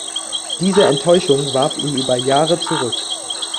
Diese Enttäuschung warf ihn über Jahre zurück.